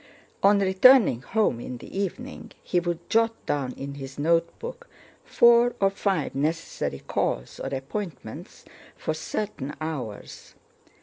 On returning home in the evening he would jot down in his notebook four or five necessary calls or appointments for certain hours.